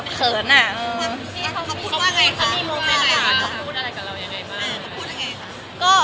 พี่เขาพูดอะไรกับเรายังไงบ้าง